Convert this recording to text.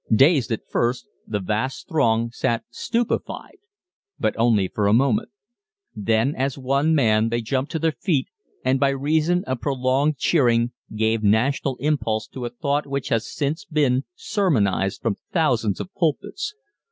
Dazed at first the vast throng sat stupefied but only for a moment. Then as one man they jumped to their feet and by reason of prolonged cheering gave national impulse to a thought which has since been sermonized from thousands of pulpits.